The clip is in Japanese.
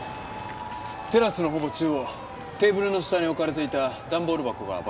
テラスのほぼ中央テーブルの下に置かれていた段ボール箱が爆発したそうです。